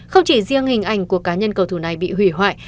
không chỉ riêng hình ảnh của cá nhân cầu thủ này bị hủy hoại